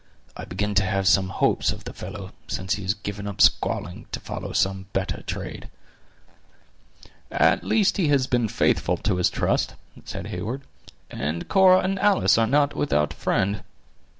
I begin to have some hopes of the fellow, since he has given up squalling to follow some better trade." "At least he has been faithful to his trust," said Heyward. "And Cora and Alice are not without a friend."